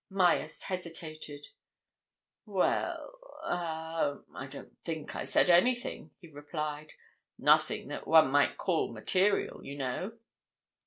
Myerst hesitated. "Well—er—I don't think I said anything," he replied. "Nothing that one might call material, you know."